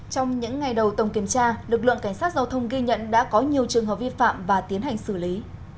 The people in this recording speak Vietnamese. trong những ngày đầu tổng kiểm tra lực lượng cảnh sát giao thông ghi nhận đã có nhiều trường hợp vi phạm và tiến hành xử lý